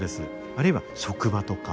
あるいは職場とか。